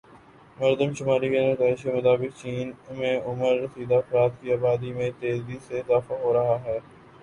مردم شماری کے نتائج کے مطابق چین میں عمر رسیدہ افراد کی آبادی میں تیزی سے اضافہ ہو رہا ہے